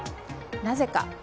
なぜか。